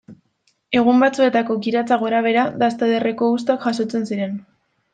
Egun batzuetako kiratsa gorabehera, dasta ederreko uztak jasotzen ziren.